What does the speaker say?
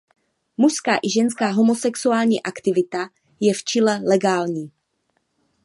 Mužská i ženská homosexuální aktivita je v Chile legální.